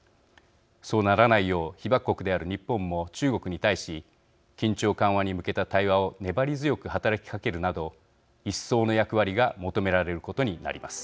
そうならないよう被爆国である日本も中国に対し緊張緩和に向けた対話を粘り強く働きかけるなど一層の役割が求められることになります。